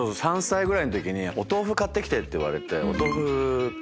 ３歳ぐらいの時にお豆腐買って来てって言われて。